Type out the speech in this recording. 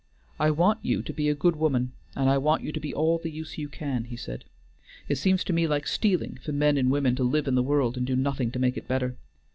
"I want you to be a good woman, and I want you to be all the use you can," he said. "It seems to me like stealing, for men and women to live in the world and do nothing to make it better.